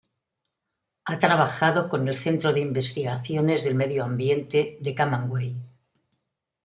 Ha trabajado con el Centro de Investigaciones del Medio Ambiente de Camagüey.